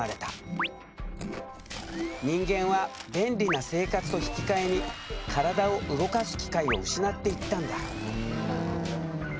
人間は便利な生活と引き換えに体を動かす機会を失っていったんだ。